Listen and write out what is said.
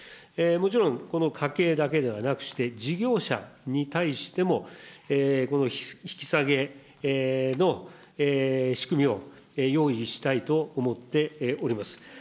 もちろん、この家計だけではなくして、事業者に対しても、この引き下げの仕組みを用意したいと思っております。